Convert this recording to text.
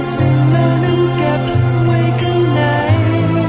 ซึ่งเรานั้นเก็บไว้ข้างใน